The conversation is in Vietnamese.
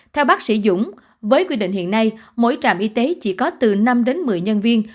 theo bác sĩ dũng với quy định hiện nay mỗi trạm y tế chỉ có từ năm đến một mươi nhân viên